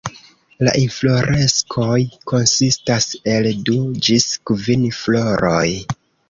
La infloreskoj konsistas el du ĝis kvin floroj.